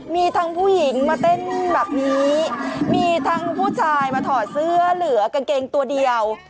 มีทั้งผู้หญิงมาเต้นแบบนี้มีทั้งผู้ชายมาถอดเสื้อเหลือกางเกงตัวเดียว